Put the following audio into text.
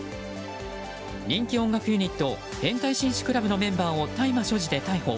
人気音楽ユニット変態紳士クラブのメンバーを大麻所持で逮捕。